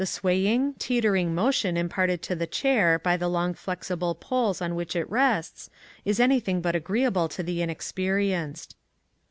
Austin tering motion imparted to the chair by the long flexible poles on which it rests is anything but agreeable to the inex perienced.